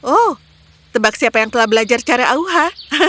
oh tebak siapa yang telah belajar secara auha